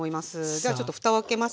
じゃあちょっとふたを開けますね。